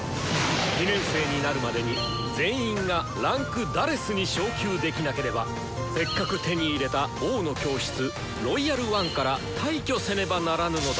２年生になるまでに全員が位階「４」に昇級できなければせっかく手に入れた「王の教室」「ロイヤル・ワン」から退去せねばならぬのだ！